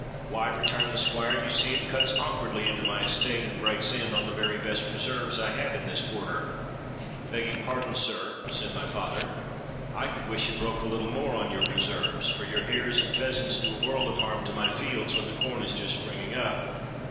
—'Why,' returned the Squire, 'you see it cuts awkwardly into my estate, and breaks in on the very best preserves I have in this quarter.—'Begging pardon, sir,' said my father, 'I could wish it broke a little more on your preserves: for your hares and pheasants do a world of harm to my fields when the corn is just springing up.